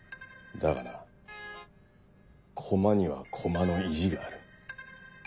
だがなコマにはコマの意地がある。